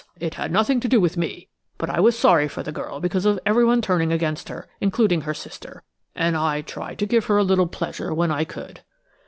It had nothing to do with me, but I was sorry for the girl because of everyone turning against her, including her sister, and I tried to give her a little pleasure when I could."